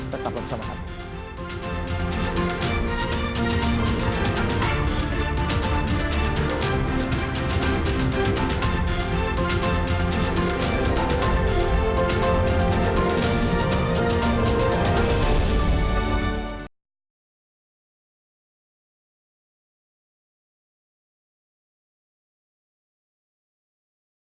tetaplah bersama kami